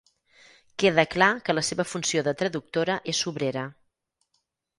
Queda clar que la seva funció de traductora és sobrera.